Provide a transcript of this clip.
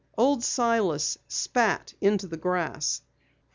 Old Silas spat into the grass.